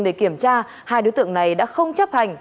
để kiểm tra hai đối tượng này đã không chấp hành